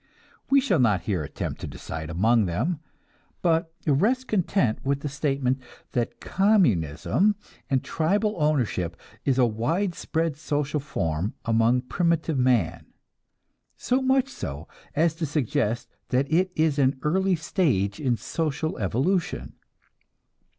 We shall not here attempt to decide among them, but rest content with the statement that communism and tribal ownership is a widespread social form among primitive man, so much so as to suggest that it is an early stage in social evolution.